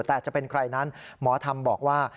แต่จะเป็นใครนั้นหมอธรรมบอกว่า